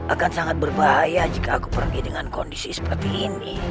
akan sangat berbahaya jika aku pergi dengan kondisi seperti ini